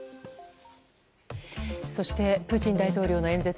そして、プーチン大統領の演説